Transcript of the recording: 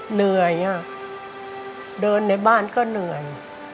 เหนื่อยเดินในบ้านก็เหนื่อย